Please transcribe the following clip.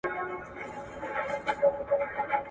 پښتو ژبه د ملت ژبه ده.